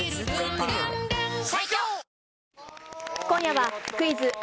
今夜はクイズ！